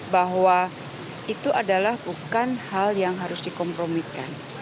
bahwa itu adalah bukan hal yang harus dikompromikan